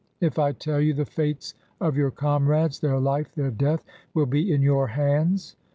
" If I tell you, the fates of your comrades — ^their life, their death — will be in your hands."